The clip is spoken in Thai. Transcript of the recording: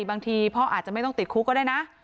บางทีพ่ออาจจะไม่ต้องติดคุกก็ได้นะ